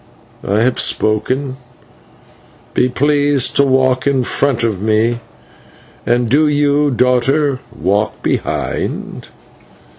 I have spoken: be pleased to walk in front of me, and do you, my daughter, walk behind."